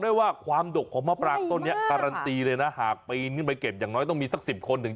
เยอะจริงหุมเยอะจริงมองไปทางไหนก็เห็น